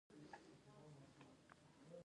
فلمسازان دې په پښتو فلمونه جوړ کړي.